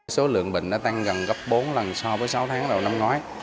số lượng bệnh tăng gần gấp bốn lần so với sáu tháng đầu năm ngoái